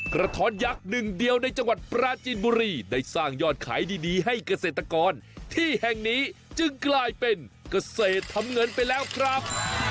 กระท้อนยักษ์หนึ่งเดียวในจังหวัดปราจีนบุรีได้สร้างยอดขายดีให้เกษตรกรที่แห่งนี้จึงกลายเป็นเกษตรทำเงินไปแล้วครับ